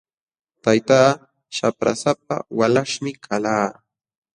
Taytaa shaprasapa walaśhmi kalqa.